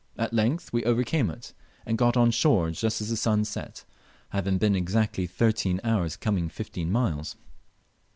At length we overcame it, and got on shore just as the sun set, having been exactly thirteen hours coming fifteen miles.